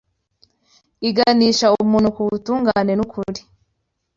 iganisha umuntu ku butungane n’ukuri